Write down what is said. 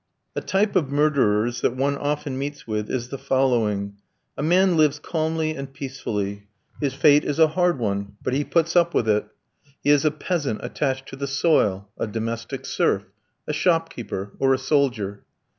A type of murderers that one often meets with is the following: A man lives calmly and peacefully. His fate is a hard one, but he puts up with it. He is a peasant attached to the soil, a domestic serf, a shopkeeper, or a soldier.